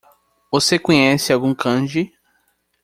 Você conhece algum kanji?